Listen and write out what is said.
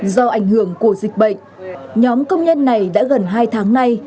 do ảnh hưởng của dịch bệnh nhóm công nhân này đã gần hai tháng nay